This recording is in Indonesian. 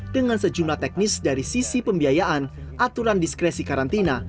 dengan sejumlah teknis dari sisi pembiayaan aturan diskresi karantina